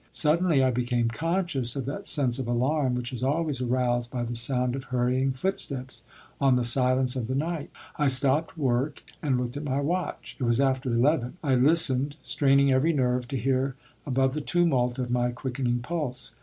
Suddenly I became conscious of that sense of alarm which is always aroused by the sound of hurrying footsteps on the silence of the night. I stopped work and looked at my watch. It was after eleven. I listened, straining every nerve to hear above the tumult of my quickening pulse.